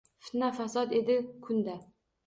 Fitna-fasod edi kunda.